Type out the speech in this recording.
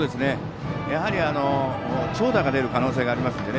やはり、長打が出る可能性がありますので。